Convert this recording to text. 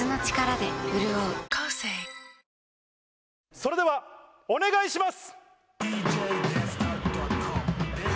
それではお願いします！